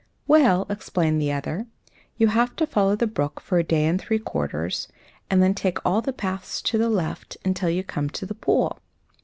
"Well," explained the other, "you have to follow the brook for a day and three quarters, and then take all the paths to the left until you come to the pool.